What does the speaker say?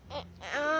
うん。